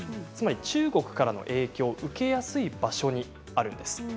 中国の影響を受けやすい場所にあるんです。